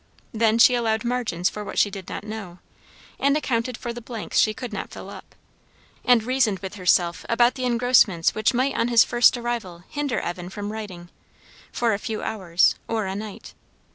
Then she allowed margins for what she did not know, and accounted for the blanks she could not fill up; and reasoned with herself about the engrossments which might on his first arrival hinder Evan from writing for a few hours, or a night.